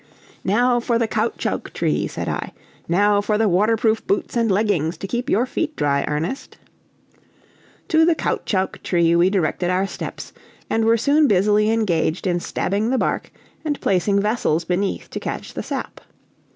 "Now for the caoutchouc tree," said I; "now for the waterproof boots and leggings to keep your feet dry, Ernest." To the caoutchouc tree we directed our steps, and were soon busily engaged in stabbing the bark and placing vessels beneath to catch the sap.